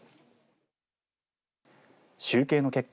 集計の結果